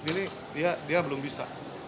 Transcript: jadi dia belum bisa